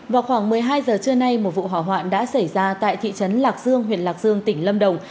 vào khoảng một mươi hai giờ trưa nay một vụ hỏa hoạn đã xảy ra tại thị trấn lạc dương huyện lạc dương tỉnh lâm đồng